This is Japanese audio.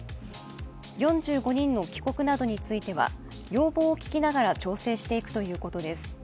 ４５人の帰国などについては要望を聞きながら調整していくということです。